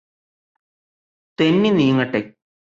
തെന്നി നീങ്ങട്ടെ